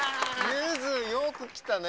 ゆづよく来たね。